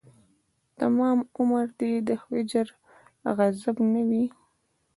تمام عمر دې د هجر غضب نه وي